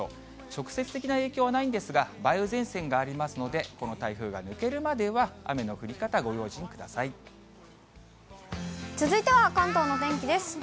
直接的な影響はないんですが、梅雨前線がありますので、この台風が抜けるまでは、雨の降り方、続いては関東の天気です。